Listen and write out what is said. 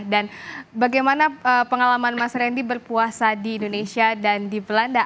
dan bagaimana pengalaman mas randy berpuasa di indonesia dan di belanda